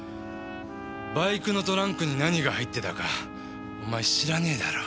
バイクのトランクに何が入ってたかお前知らねえだろ？